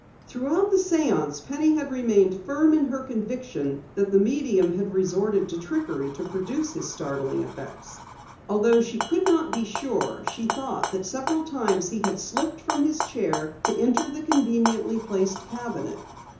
Throughout the séance Penny had remained firm in her conviction that the medium had resorted to trickery to produce his startling effects. Although she could not be sure, she thought that several times he had slipped from his chair to enter the conveniently placed cabinet.